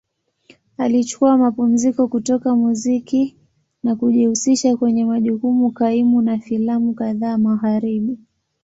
Alichukua mapumziko kutoka muziki na kujihusisha kwenye majukumu kaimu na filamu kadhaa Magharibi.